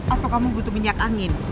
atau kamu butuh minyak angin